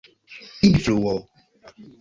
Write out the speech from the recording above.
influo